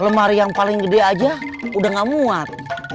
lemari yang paling gede aja udah gak muat